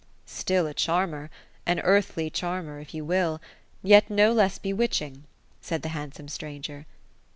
^^ Still a charmer ;— an earthly charmer, if you will — ^yet no less be witching ; said the handsome stranger.